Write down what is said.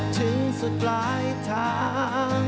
ถึงสุดปลายทาง